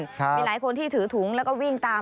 มีหลายคนที่ถือถุงแล้วก็วิ่งตาม